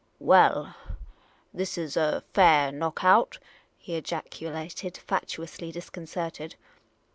" Well, this is a fair knock out," he ejaculated, fatuously disconcerted.